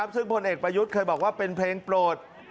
ซึ่งพลเอกประยุทธ์เคยบอกว่าเป็นเพลงโปรด